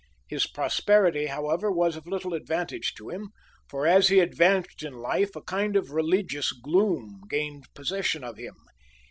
His prosperity, however, was of little advantage to him, for as he advanced in life a kind of religious gloom gained possession of him.